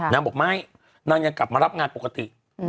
นางบอกไม่นางยังกลับมารับงานปกติ